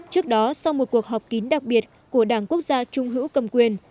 trước đó sau một cuộc họp kín đặc biệt của đảng quốc gia trung hữu cầm quyền